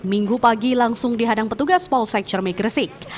minggu pagi langsung dihadang petugas polsek cermih gersik